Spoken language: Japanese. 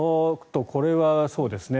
これはそうですね。